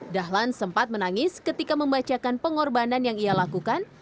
dahlan sempat menangis ketika membacakan pengorbanan yang ia lakukan